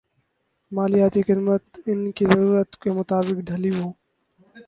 مالیاتی خدمات ان کی ضرورتوں کے مطابق ڈھلی ہوں